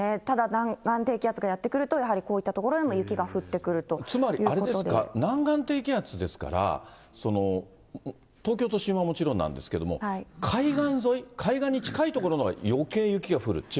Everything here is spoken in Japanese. ただ、南岸低気圧がやって来ると、やはりこういった所でも雪が降ってくつまりあれですか、南岸低気圧ですから、東京都心はもちろんなんですけれども、海岸沿い、海岸に近い所のほうがよけい雪が降る？